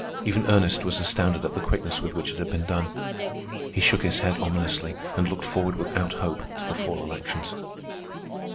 Even Ernest was astounded at the quickness with which it had been done. He shook his head ominously and looked forward without hope to the fall elections.